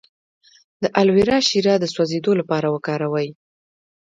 د الوویرا شیره د سوځیدو لپاره وکاروئ